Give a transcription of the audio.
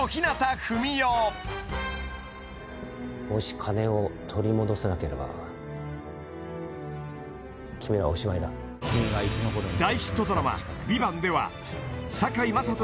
もし金を取り戻せなければ君らはおしまいだ大ヒットドラマ「ＶＩＶＡＮＴ」では堺雅人